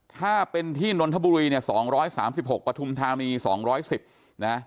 ถ้าเป็นที่นทบุรีเนี่ยสองร้อยสามสิบหกประทุมธามีสองร้อยสิบนะฮะ